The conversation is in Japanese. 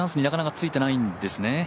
なかなか、ついてないんですね。